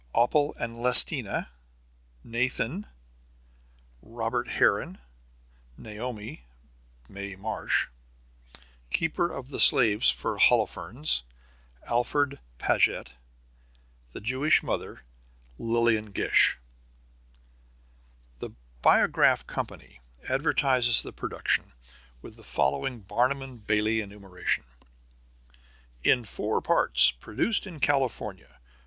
Oppleman and Lestina Nathan Robert Harron Naomi Mae Marsh Keeper of the slaves for Holofernes Alfred Paget The Jewish mother Lillian Gish The Biograph Company advertises the production with the following Barnum and Bailey enumeration: "In four parts. Produced in California.